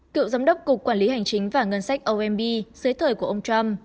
cựu giám đốc cục quản lý hành chính và ngân sách omb dưới thời của ông trump